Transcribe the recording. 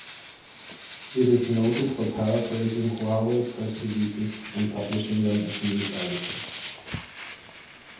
It is noted for paraphrasing Huawei press releases and publishing them as news articles.